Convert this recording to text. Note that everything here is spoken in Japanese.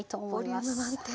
うわボリューム満点！